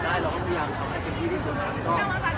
เราก็พยายามทำให้เป็นที่ที่ส่วนนั้น